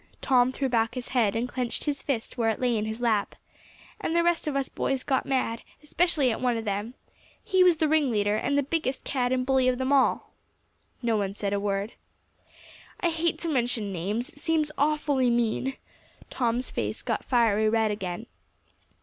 Tom threw back his head, and clenched his fist where it lay in his lap. "And the rest of us boys got mad, especially at one of them. He was the ringleader, and the biggest cad and bully of them all." No one said a word. "I hate to mention names; it seems awfully mean." Tom's face got fiery red again.